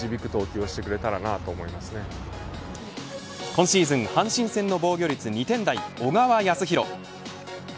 今シーズン阪神戦の防御率２点台小川泰弘。